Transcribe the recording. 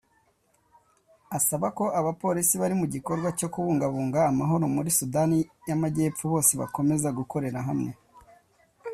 asaba ko Abapolisi bari mu gikorwa cyo kubungabunga amahoro muri Sudani y’Amajyepfo bose bakomeza gukorera hamwe